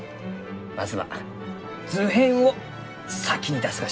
まずは図編を先に出すがじゃ。